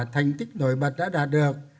thành tích nổi bật đã đạt được